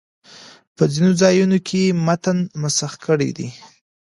په ځینو ځایونو کې یې متن مسخ کړی دی.